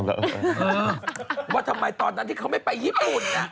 เออว่าทำไมตอนนั้นที่เขาไม่ไปญี่ปุ่น